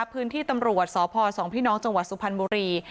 พื้นที่ตำรวจสพสองพี่น้องจังหวัดสุพรรณบุรี